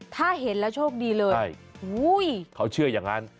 ถ้าเห็นแล้วโชคดีเลยเขาเชื่ออย่างนั้น